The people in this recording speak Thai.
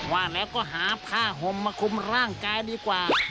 ว่าแล้วก็หาผ้าห่มมาคุมร่างกายดีกว่า